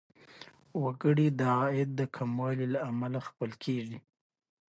وګړي د عاید د کموالي له امله ځپل کیږي.